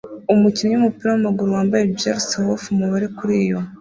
Umukinnyi wumupira wamaguru yambaye jersey wuth umubare "" kuriyo